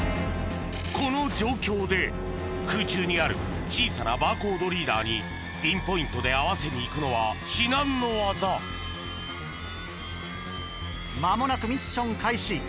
この状況で空中にある小さなバーコードリーダーにピンポイントで合わせに行くのは至難の業間もなくミッション開始。